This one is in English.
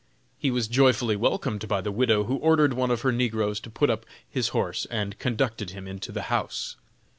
He was joyfully welcomed by the widow, who ordered one of her negroes to put up his horse and conducted him into the house.